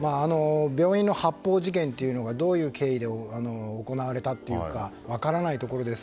病院の発砲事件というのがどういう経緯で行われたかは分からないところです